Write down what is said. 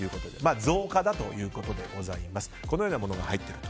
造花だということでございます。